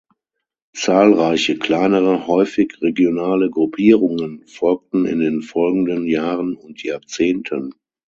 Zahlreiche kleinere, häufig regionale Gruppierungen folgten in den folgenden Jahren und Jahrzehnten.